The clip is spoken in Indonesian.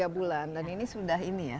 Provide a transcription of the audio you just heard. tiga bulan dan ini sudah ini ya